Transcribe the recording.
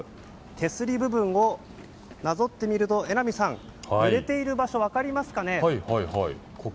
手すり部分をなぞってみると榎並さん、ぬれている場所分かりますかね？